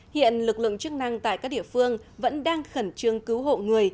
hiện lực lượng chức năng tại các địa phương vẫn đang khẩn trương cứu hộ người